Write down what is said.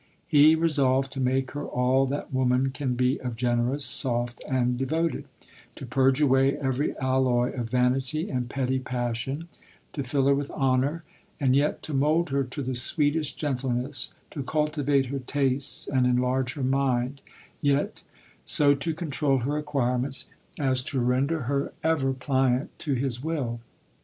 He resolved to make her all that woman can be of generous, soft, and de voted ; to purge away every alloy of vanity and petty passion — to fill her with honour, and yet to mould her to the sweetest gentleness : to cul tivate her tastes and enlarge her mind, yet so to controul her acquirements, as to render her 38 LODORE. ever pliant to his will.